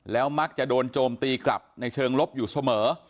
แล้วมักจะโดนโจมตีกลับในเชิงลบอยู่เสมอ